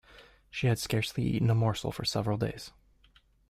She had scarcely eaten a morsel for several days.